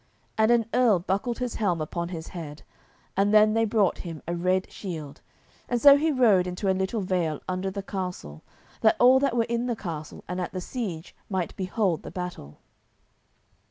And an earl buckled his helm upon his head, and then they brought him a red steed, and so he rode into a little vale under the castle, that all that were in the castle and at the siege might behold the battle.